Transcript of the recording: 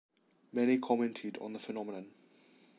Many commented on the phenomenon.